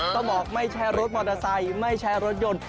ต้องบอกไม่ใช่รถมอเตอร์ไซค์ไม่ใช่รถยนต์